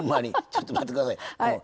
ちょっと待って下さい。